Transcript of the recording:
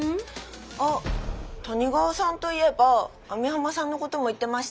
あっ谷川さんといえば網浜さんのことも言ってましたよ。